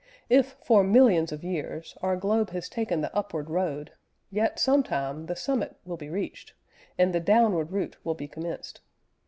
If, for millions of years, our globe has taken the upward road, yet, sometime, the summit will be reached, and the downward route will be commenced.